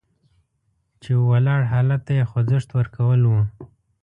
چې ولاړ حالت ته یې خوځښت ورکول وو.